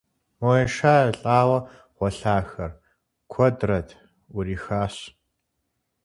Мо еша-елӀауэ гъуэлъахэр, куэдрэт, Ӏурихащ.